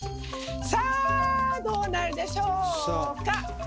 さあどうなるでしょか！